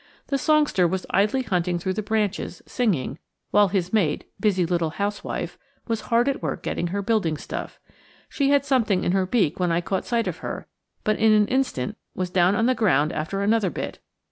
The songster was idly hunting through the branches, singing, while his mate busy little housewife was hard at work getting her building stuff. She had something in her beak when I caught sight of her, but in an instant was down on the ground after another bit.